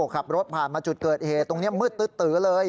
ขับรถผ่านมาจุดเกิดเหตุตรงนี้มืดตื้อเลย